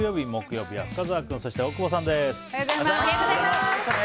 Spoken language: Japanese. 本日木曜日、木曜日は深澤君、そして大久保さんです。